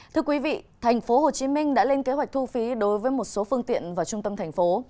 thưa quý vị thành phố hồ chí minh đã lên kế hoạch thu phí đối với một số phương tiện vào trung tâm thành phố